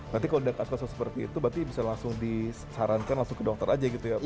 berarti kalau ada kasus seperti itu berarti bisa langsung disarankan langsung ke dokter saja gitu ya pak